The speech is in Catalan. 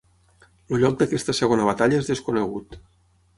El lloc d'aquesta segona batalla és desconegut.